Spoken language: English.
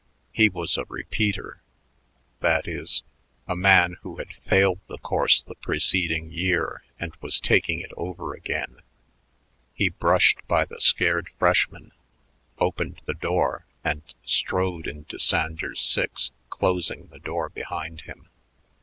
He was a repeater; that is, a man who had failed the course the preceding year and was taking it over again. He brushed by the scared freshmen, opened the door, and strode into Sanders 6, closing the door behind him.